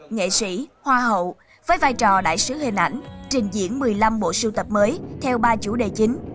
nghệ sĩ hoa hậu với vai trò đại sứ hình ảnh trình diễn một mươi năm bộ sưu tập mới theo ba chủ đề chính